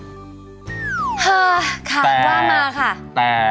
ค่ะรอบมาค่ะ